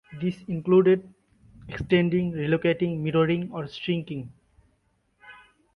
This included extending, relocating, mirroring or shrinking.